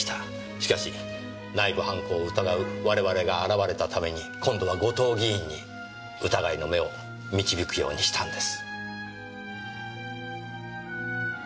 しかし内部犯行を疑う我々が現れたために今度は後藤議員に疑いの目を導くようにしたんです。